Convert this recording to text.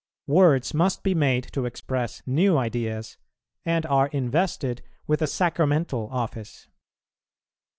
Words must be made to express new ideas, and are invested with a sacramental office.